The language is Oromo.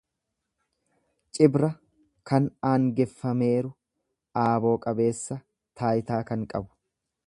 Cibra kan aangeffameeru, aaboo qabeessa, taayitaa kan qabu.